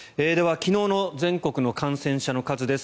昨日の全国の感染者の数です。